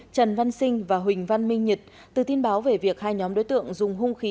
trần văn sinh và huỳnh văn minh nhật từ tin báo về việc hai nhóm đối tượng dùng hung khí